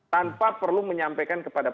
tanpa perlu menyampaikan kepada